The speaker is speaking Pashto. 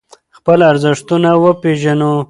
خپل ارزښتونه وپیژنو.